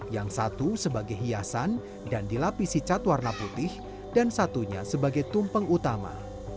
yang satu sebagai hiasan dan dilapisi cat warna putih dan satunya sebagai tumpeng utama